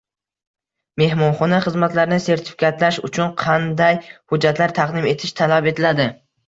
Mehmonxona xizmatlarini sertifikatlash uchun kanday hujjatlar taqdim etish talab etiladi?